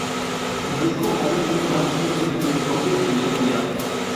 El disco ha vendido más de seis millones de copias a nivel mundial.